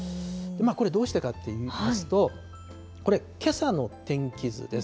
これどうしてかといいますと、これ、けさの天気図です。